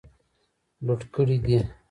لوټ کړي دي.